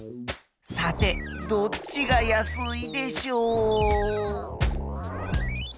さてどっちが安いでしょう？